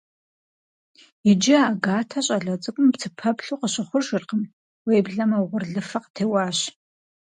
Иджы Агатэ щӀалэ цӀыкӀум цыпэплъу къыщыхъужыркъым, уеблэмэ угъурлыфэ къытеуащ.